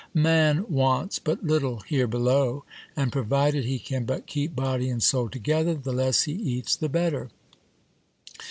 Man wants but little here below ; and provided he can but keep body and soul together, the less he eats the better.